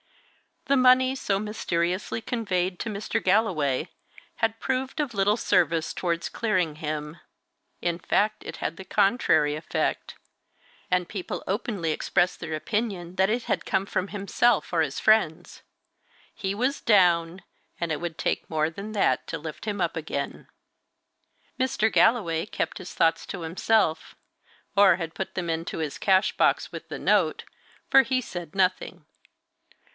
The money, so mysteriously conveyed to Mr. Galloway, had proved of little service towards clearing him; in fact, it had the contrary effect; and people openly expressed their opinion that it had come from himself or his friends. He was down; and it would take more than that to lift him up again. Mr. Galloway kept his thoughts to himself, or had put them into his cash box with the note, for he said nothing.